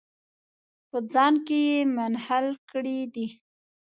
په ځان کې یې منحل کړي دي.